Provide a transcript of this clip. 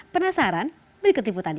penasaran berikut tipu tanda